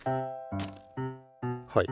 はい。